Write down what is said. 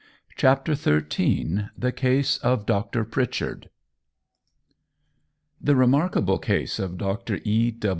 CHAPTER XIII THE CASE OF DR. PRITCHARD THE remarkable case of Dr. E.